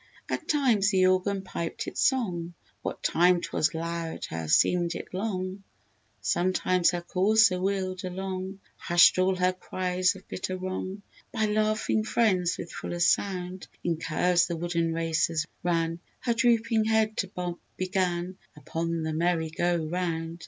At times the organ piped its song, What time 'twas loud, her seemed it long; Sometimes her courser wheeled along, Hushed all her cries of bitter wrong: By laughing friends, with fuller sound, In curves the wooden racers ran; Her drooping head to bob began Upon the Merry go round.